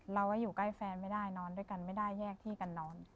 เราก็อยู่ใกล้แฟนไม่ได้นอนด้วยกันไม่ได้แยกที่กันนอน